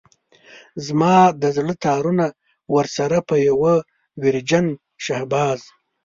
زما د زړه تارونه ورسره په يوه ويرجن شهباز.